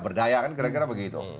berdaya kan kira kira begitu